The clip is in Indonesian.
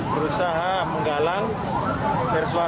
berusaha menggalang dari swasib untuk membubarkan